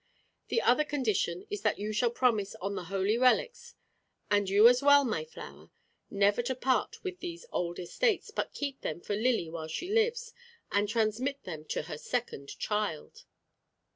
The other condition is that you shall promise on the holy relics, and you as well, my flower, never to part with these old estates, but keep them for Lily while she lives, and transmit them to her second child."